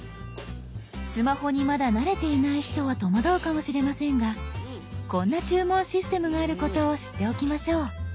スマホにまだ慣れていない人は戸惑うかもしれませんがこんな注文システムがあることを知っておきましょう。